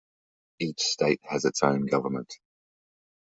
Each state has its own government.